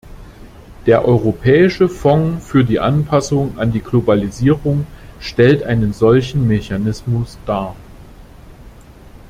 Der Europäische Fonds für die Anpassung an die Globalisierung stellt einen solchen Mechanismus dar.